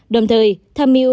đồng thời tham mưu